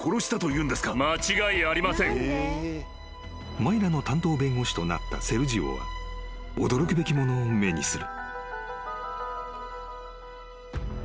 ［マイラの担当弁護士となったセルジオは驚くべきものを目にする］